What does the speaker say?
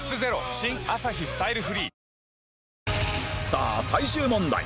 さあ最終問題